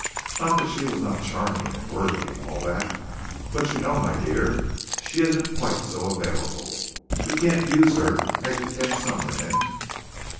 Not that she was not charming and worthy and all that, "But you know, my dear, she isn't quite so available. You can't use her as you can some women."